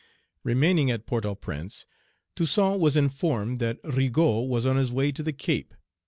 Remaining at Port au Prince, Toussaint was informed that Rigaud was on his way to the Cape.